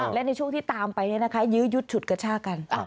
และในช่วงที่ตามไปยื้อยุดฉุดกระชากัน